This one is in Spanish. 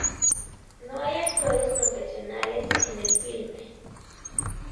No hay actores profesionales en el filme.